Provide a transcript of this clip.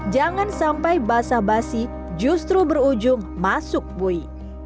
jangan sampai basah basi justru berujung masuk bui